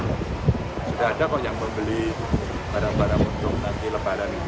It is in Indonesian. sudah ada yang membeli barang barang untuk nanti lebaran